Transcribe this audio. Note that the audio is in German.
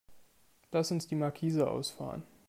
Lass uns die Markise ausfahren.